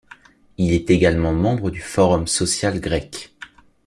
Il est également membre du Forum social grec.